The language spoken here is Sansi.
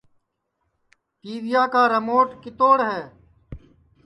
ٹی ویا کا رموٹ کیتوڑ ہے